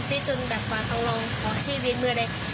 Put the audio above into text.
ตี๊ดจนแบบว่าต้องลองขอชีวิตเมื่อไหน